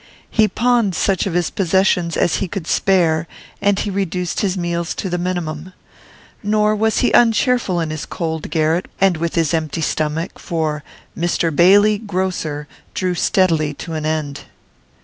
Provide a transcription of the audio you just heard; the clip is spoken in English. He pawned such of his possessions as he could spare, and he reduced his meals to the minimum. Nor was he uncheerful in his cold garret and with his empty stomach, for 'Mr Bailey, Grocer,' drew steadily to an end.